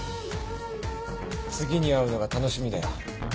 次に会うのが楽しみだよ。